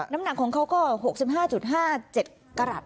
น้ำหนักของเขาก็๖๕๕๗กรัฐ